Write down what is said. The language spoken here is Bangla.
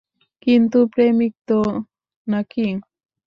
কিন্তু প্রেমিক তো না কি?